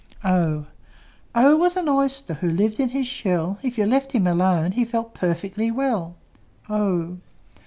O O was an oyster, Who lived in his shell: If you let him alone, He felt perfectly well. o!